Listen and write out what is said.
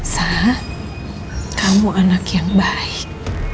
sah kamu anak yang baik